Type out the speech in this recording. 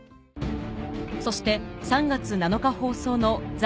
そして３月７日放送の『ザ！